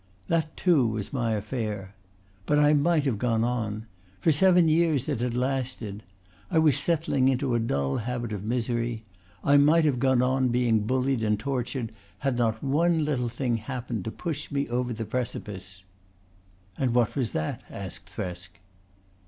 That, too, was my affair. But I might have gone on. For seven years it had lasted. I was settling into a dull habit of misery. I might have gone on being bullied and tortured had not one little thing happened to push me over the precipice." "And what was that?" asked Thresk.